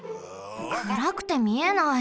くらくてみえない。